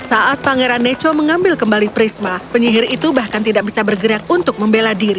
saat pangeran neco mengambil kembali prisma penyihir itu bahkan tidak bisa bergerak untuk membela diri